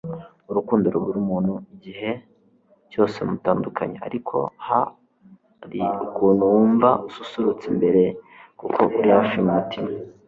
urukundo rubura umuntu igihe cyose mutandukanye, ariko hari ukuntu wumva ususurutse imbere kuko uri hafi mumutima